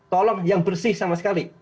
tolong yang bersih sama sekali